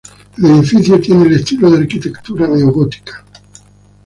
El edificio tiene el estilo de arquitectura neogótica.